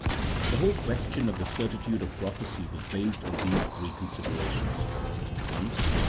The whole question of the certitude of prophecy was based on these three considerations :— 1.